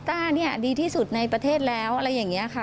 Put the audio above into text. ต้าเนี่ยดีที่สุดในประเทศแล้วอะไรอย่างนี้ค่ะ